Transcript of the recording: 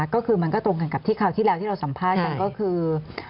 ก็คือมันก็ตรงกันกับที่คราวที่แล้วที่เราสัมภาษณ์กันก็คือ